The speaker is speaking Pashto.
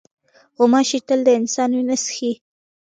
غوماشې تل د انسان وینه څښي.